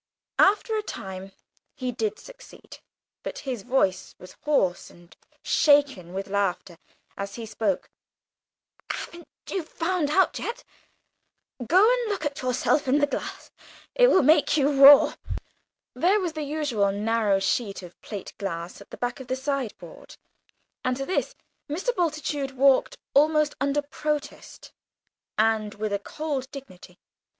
After a time he did succeed, but his voice was hoarse and shaken with laughter as he spoke. "Haven't you found it out yet? Go and look at yourself in the glass it will make you roar!" There was the usual narrow sheet of plate glass at the back of the sideboard, and to this Mr. Bultitude walked, almost under protest, and with a cold dignity.